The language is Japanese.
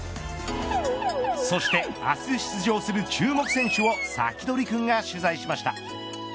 そして明日出場する注目選手をサキドリくんが取材しました。